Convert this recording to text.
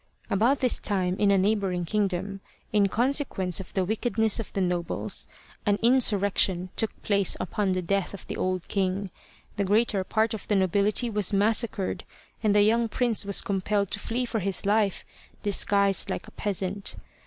About this time in a neighbouring kingdom, in consequence of the wickedness of the nobles, an insurrection took place upon the death of the old king, the greater part of the nobility was massacred, and the young prince was compelled to flee for his life, disguised like a peasant.